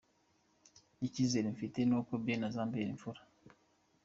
Icyizere mfite ni uko Ben azambera imfura.